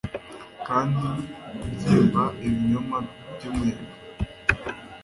Kandi kubyimba ibinyoma byumuyaga